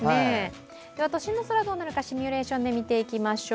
都心の空、どうなるかシミュレーションで見ていきましょう。